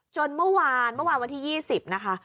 จนเมื่อวานวันที่๒๐นะคะ